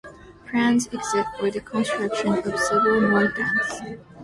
Plans exist for the construction of several more dams.